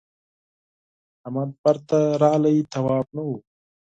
احمد بېرته راغی تواب نه و.